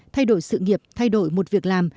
thay đổi sự nghiệp thay đổi một việc làm